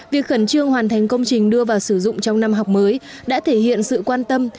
việc khẩn trương hoàn thành công trình đưa vào sử dụng trong năm học mới đã thể hiện sự quan tâm